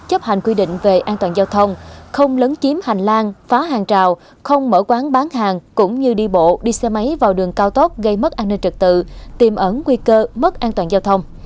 chấp hành quy định về an toàn giao thông không lấn chiếm hành lang phá hàng trào không mở quán bán hàng cũng như đi bộ đi xe máy vào đường cao tốc gây mất an ninh trật tự tìm ẩn nguy cơ mất an toàn giao thông